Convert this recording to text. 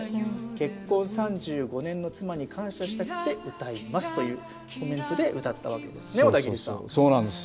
結婚３５年の妻に感謝したくて歌いますというコメントで歌ったわそうなんです。